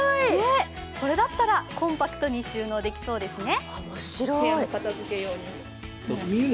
これだったらコンパクトに収納できそうですね。